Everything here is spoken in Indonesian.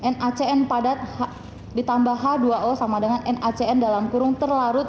nacn padat ditambah h dua o sama dengan nacn dalam kurung terlarut